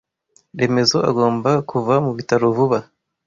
Remezo agomba kuva mubitaro vuba.